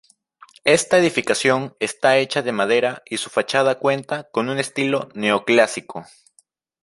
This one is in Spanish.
Esta edificación está hecha de madera y su fachada cuenta con un estilo neoclásico.